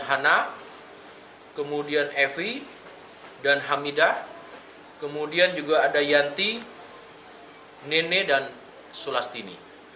hana kemudian evie dan hamidah kemudian juga ada yanti nene dan sulastini ini